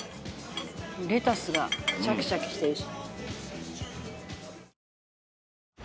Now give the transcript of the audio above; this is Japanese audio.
レタスがシャキシャキしてるし。